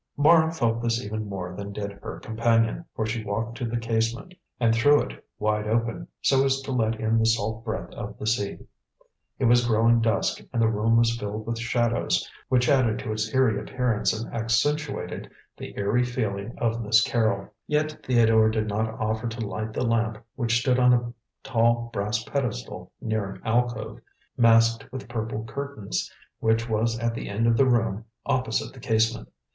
Mara felt this even more than did her companion, for she walked to the casement and threw it wide open, so as to let in the salt breath of the sea. It was growing dusk, and the room was filled with shadows which added to its eerie appearance and accentuated the eerie feeling of Miss Carrol. Yet Theodore did not offer to light the lamp which stood on a tall brass pedestal near an alcove, masked with purple curtains, which was at the end of the room opposite the casement.